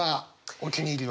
お気に入りは？